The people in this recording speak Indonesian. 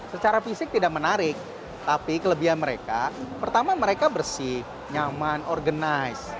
secara fisik tidak menarik tapi kelebihan mereka pertama mereka bersih nyaman organized